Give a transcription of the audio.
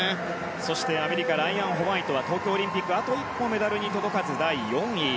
そして、アメリカライアン・ホワイトは東京オリンピックあと一歩メダルに届かず、第４位。